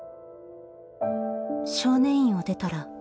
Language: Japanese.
「少年院を出たら」